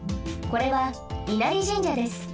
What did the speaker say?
これは稲荷神社です。